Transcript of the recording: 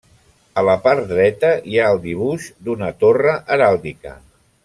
A la part dreta hi ha el dibuix d'una torre heràldica.